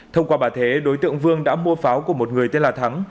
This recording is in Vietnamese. thông qua bà thế đối tượng vương đã mua pháo của một người tên là thắng